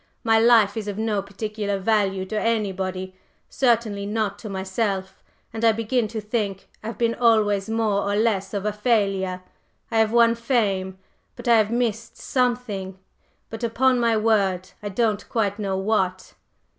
My life is of no particular value to anybody, certainly not to myself; and I begin to think I've been always more or less of a failure. I have won fame, but I have missed something but upon my word, I don't quite know what!"